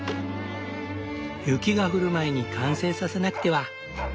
雪が降る前に完成させなくては。